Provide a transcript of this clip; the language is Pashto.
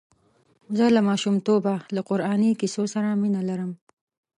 زه له ماشومتوبه له قراني کیسو سره مینه لرم.